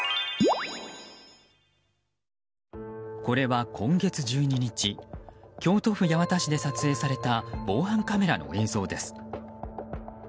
これは、今月１２日京都府八幡市で撮影された防犯カメラの映像です。